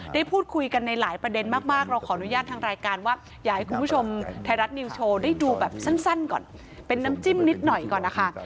ได้พูดคุยกันในหลายประเด็นมากเราขออนุญาตทางรายการว่าอยากให้คุณผู้ชมไทยรัฐนิวโชว์ได้ดูแบบสั้นก่อนเป็นน้ำจิ้มนิดหน่อยก่อนนะคะ